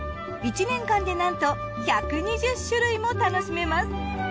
１年間でなんと１２０種類も楽しめます。